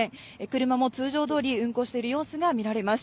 車も通常どおり運行している様子が見られます。